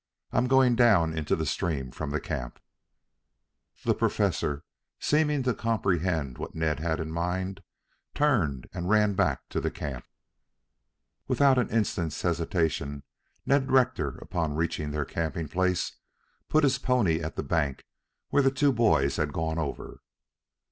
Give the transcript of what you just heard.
I'm going down into the stream from the camp." The Professor, seeming to comprehend what Ned had in mind, turned and ran back to the camp. Without an instant's hesitation, Ned Rector, upon reaching their camping place, put his pony at the bank where the two boys had gone over.